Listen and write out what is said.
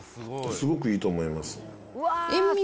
すごくいいと思います。